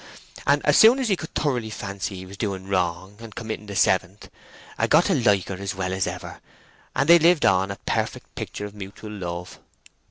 And as soon as he could thoroughly fancy he was doing wrong and committing the seventh, 'a got to like her as well as ever, and they lived on a perfect picture of mutel love."